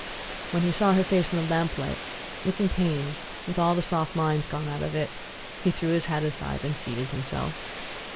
When he saw her face in the lamp light, looking pained, with all the soft lines gone out of it, he threw his hat aside and seated himself.